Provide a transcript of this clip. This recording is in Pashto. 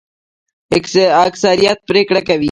اکثریت پریکړه کوي